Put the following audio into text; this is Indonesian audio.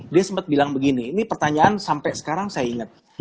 dia sempat bilang begini ini pertanyaan sampai sekarang saya ingat